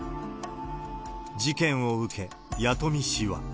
事件を受け、弥富市は。